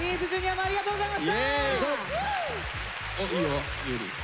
ありがとうございます。